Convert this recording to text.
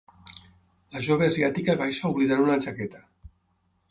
La jove asiàtica baixa oblidant una jaqueta.